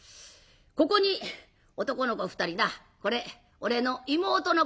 「ここに男の子２人なこれ俺の妹の子どもたい。